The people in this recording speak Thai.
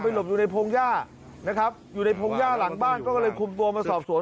หลบอยู่ในพงหญ้านะครับอยู่ในพงหญ้าหลังบ้านก็เลยคุมตัวมาสอบสวน